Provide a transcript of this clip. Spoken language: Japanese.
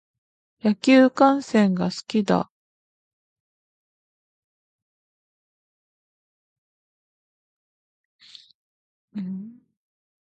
野球観戦が好きだ。